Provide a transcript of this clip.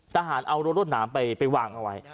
ทหารเอารถน้ำไปวางเอาไว้